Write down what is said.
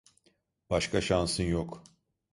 Başka şansın yok.